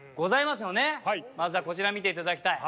まずはこちら見て頂きたい。